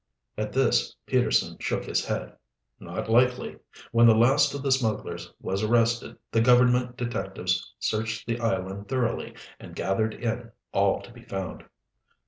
At this Peterson shook his head. "Not likely. When the last of the smugglers was arrested the government detectives searched the island thoroughly and gathered in all to be found."